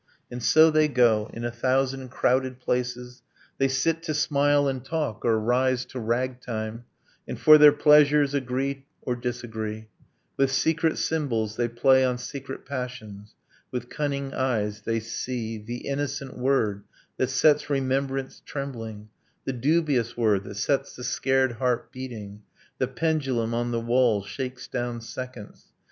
And so they go ... In a thousand crowded places, They sit to smile and talk, or rise to ragtime, And, for their pleasures, agree or disagree. With secret symbols they play on secret passions. With cunning eyes they see The innocent word that sets remembrance trembling, The dubious word that sets the scared heart beating ... The pendulum on the wall Shakes down seconds